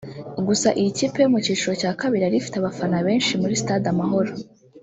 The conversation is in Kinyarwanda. Gusa iyi kipe yo mu cyiciro cya kabiri yari ifite abafana benshi muri Stade Amahoro